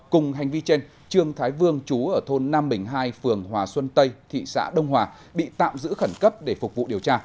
cùng hành vi trên trương thái vương chú ở thôn nam bình hai phường hòa xuân tây thị xã đông hòa bị tạm giữ khẩn cấp để phục vụ điều tra